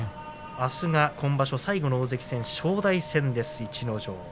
あすが今場所最後の大関戦正代戦です、逸ノ城。